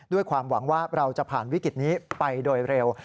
ด้วยความหวังว่าเราจะผ่านวิกฤตนี้ไปโดยเร็ว